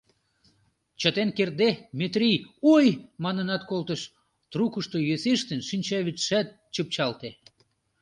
Чытен кертде, Метрий «ой» манынат колтыш, трукышто йӧсештын, шинчавӱдшат чыпчалте.